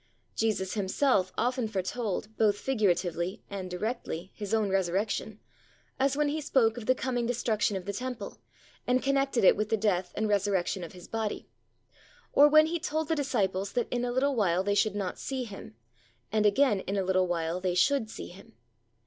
Jesus Himself often foretold, both figuratively and directly, His own resurrection, as when He spoke of the coming destruction of the Temple, and connected it with the death and resurrection of His body; or when He told the disciples that in a little while they should not see Him, and again in a little while they should see Him.